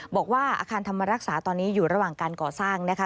บอกว่าอาคารธรรมรักษาตอนนี้อยู่ระหว่างการก่อสร้างนะคะ